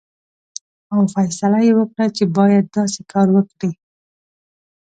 او فیصله یې وکړه چې باید داسې کار وکړي.